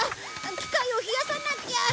機械を冷やさなきゃ。